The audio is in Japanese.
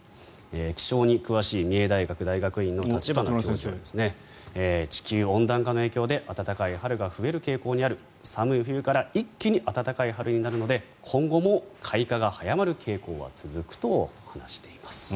気象に詳しい三重大学大学院の立花教授によりますと地球温暖化の影響で暖かい春が増える傾向にある寒い冬から一気に暖かい春になるので今後も開花が早まる傾向が続くと話しています。